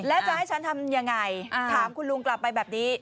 แล้วจะให้ฉันทำยังไงถามคุณลุงกลับไปแบบนี้